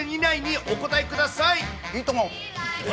いいとも。